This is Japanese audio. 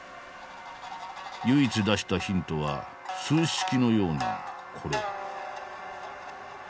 唯一出したヒントは数式のようなこれ。